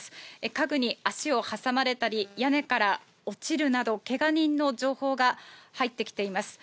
家具に足を挟まれたり、屋根から落ちるなど、けが人の情報が入ってきています。